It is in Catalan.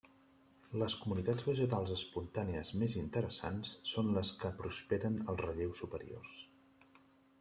Les comunitats vegetals espontànies més interessants són les que prosperen als relleus superiors.